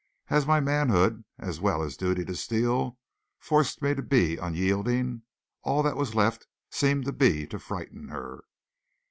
As my manhood, as well as duty to Steele, forced me to be unyielding, all that was left seemed to be to frighten her.